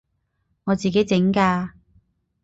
我自己整㗎